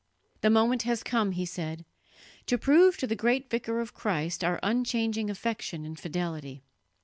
"The moment has come," he said, "to prove to the great Vicar of Christ our unchanging affection and fidelity.